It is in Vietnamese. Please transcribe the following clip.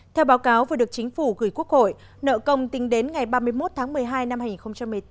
theo báo cáo vừa được chính phủ gửi quốc hội nợ công tính đến ngày ba mươi một tháng một mươi hai năm hai nghìn một mươi tám